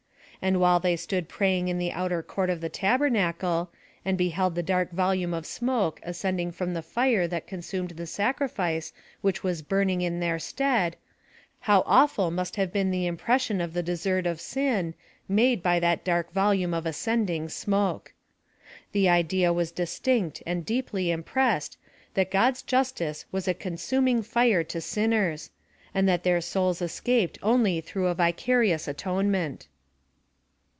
And while they stood praying in the outer court of the tabernacle, and be held the dark volume of smoke ascending from the fire that consumed the sacrifice which was burning in their steady how awful must have been the im pression of the desert of sin, made by that dark volume of ascending smoke. The idea was dis tinct and deeply impressed, that God's justice was a consuming fire to sinners ; and that their souls escaped only through a vicarious atonement.